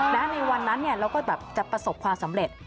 แล้วในวันนั้นเนี่ยเราก็แบบจะประสบความสำเร็จ